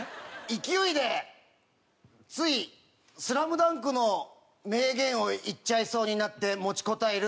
勢いでつい『ＳＬＡＭＤＵＮＫ』の名言を言っちゃいそうになって持ちこたえる